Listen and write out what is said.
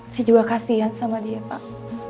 saya juga kasihan sama dia pak